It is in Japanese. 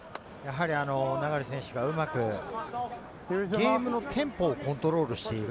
流選手がうまくゲームのテンポをコントロールしている。